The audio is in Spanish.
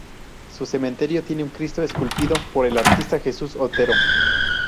Su cementerio tiene un Cristo esculpido por el artista Jesús Otero.